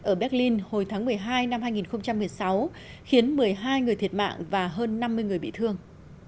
ở berlin hồi tháng một mươi hai năm hai nghìn một mươi sáu khiến một mươi hai người thiệt mạng và hơn năm mươi người bị thương